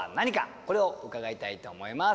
これを伺いたいと思います。